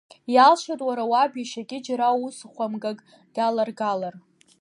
Иалшоит уара уаб иашьагьы џьара ус хәамгак даларгалар.